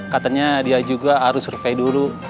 katanya dia juga harus survei dulu